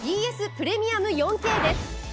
プレミアム４Ｋです。